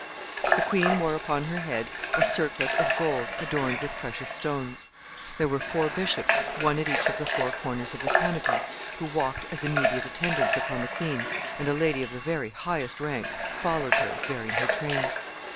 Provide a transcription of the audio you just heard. The queen wore upon her head a circlet of gold adorned with precious stones. There were four bishops, one at each of the four corners of the canopy, who walked as immediate attendants upon the queen, and a lady of the very highest rank followed her, bearing her train.